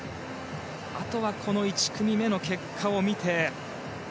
あとは１組目の結果を見て。